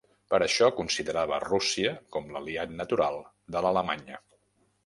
Per això considerava Rússia com l'aliat natural de l'Alemanya.